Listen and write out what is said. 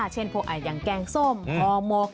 เช่นพวกอย่างแกงส้มห่อหมก